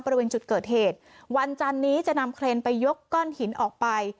บริเวณจุดเกิดเหตุวันจันนี้จะนำเครนไปยกก้อนหินออกไป